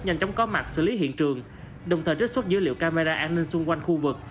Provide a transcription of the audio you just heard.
nhanh chóng có mặt xử lý hiện trường đồng thời trích xuất dữ liệu camera an ninh xung quanh khu vực